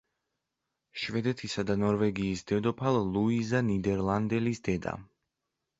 შვედეთისა და ნორვეგიის დედოფალ ლუიზა ნიდერლანდელის დედა.